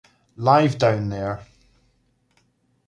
Live down there!